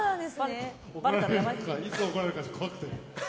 いつ怒られるか怖くてね。